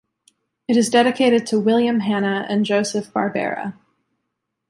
It is dedicated to William Hanna and Joseph Barbera.